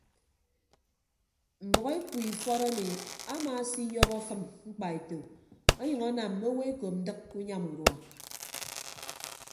Mbʌk ekpu ifọt emi amaasiyọhọ afịm mkpaeto ọnyʌñ anam mme owo ekop ndịk ke unyam urua.